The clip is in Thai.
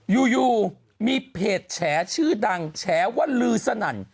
อยู่มีเพจแฉชื่อดังแฉว่าลือสนั่น